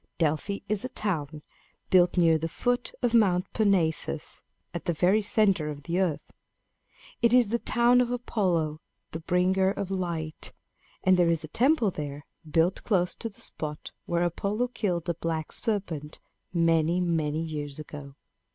"Delphi is a town, built near the foot of Mount Parnassus, at the very center of the earth. It is the town of Apollo, the Bringer of Light; and there is a temple there, built close to the spot where Apollo killed a black serpent, many, many years ago.